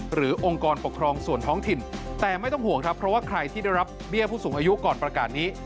องค์กรปกครองส่วนท้องถิ่นแต่ไม่ต้องห่วงครับเพราะว่าใครที่ได้รับเบี้ยผู้สูงอายุก่อนประกาศนี้